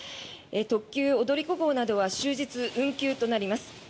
特急踊り子号などは終日運休となります。